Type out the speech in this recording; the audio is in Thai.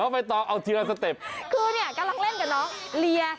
บ๊าย